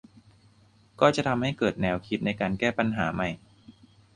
ก็จะทำให้เกิดแนวคิดในการแก้ปัญหาใหม่